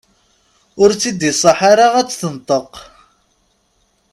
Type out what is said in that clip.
Ur tt-id-iṣaḥ ara ad d-tenṭeq.